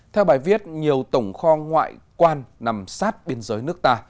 theo bài viết nhiều tổng kho ngoại quan nằm sát biên giới nước ta